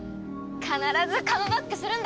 必ずカムバックするんだから！